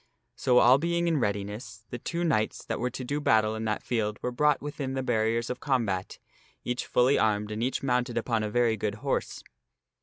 So, all being in readiness, the two knights that were to do battle in that field were brought within the barriers of combat, each fully armed and each mounted upon a very good horse.